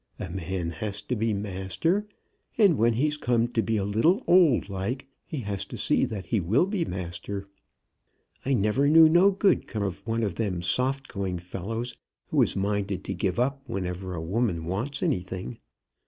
A man has to be master; and when he's come to be a little old like, he has to see that he will be master. I never knew no good come of one of them soft going fellows who is minded to give up whenever a woman wants anything.